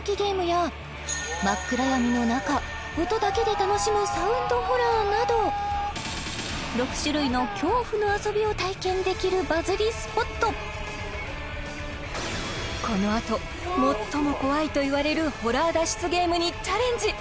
暗闇の中音だけで楽しむサウンドホラーなどを体験できるバズりスポットこの後最も怖いといわれるホラー脱出ゲームにチャレンジ